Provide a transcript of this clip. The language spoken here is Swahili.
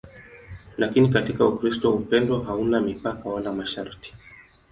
Lakini katika Ukristo upendo hauna mipaka wala masharti.